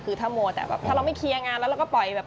คือถ้ามัวแต่แบบถ้าเราไม่เคลียร์งานแล้วเราก็ปล่อยแบบ